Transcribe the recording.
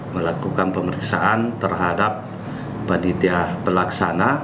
melakukan pemeriksaan terhadap panitia pelaksana